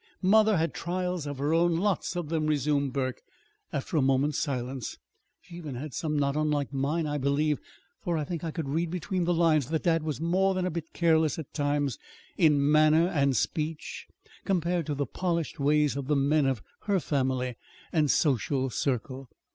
"Mother had trials of her own lots of them," resumed Burke, after a moment's silence. "She even had some not unlike mine, I believe, for I think I could read between the lines that dad was more than a bit careless at times in manner and speech compared to the polished ways of the men of her family and social circle.